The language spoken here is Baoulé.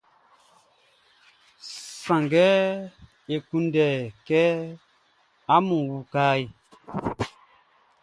Sanngɛ e kunndɛ kɛ amun uka e.